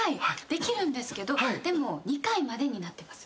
できるんですけどでも２回までになってます。